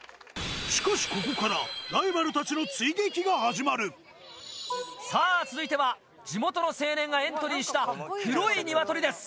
しかしここからさぁ続いては地元の青年がエントリーした黒いニワトリです。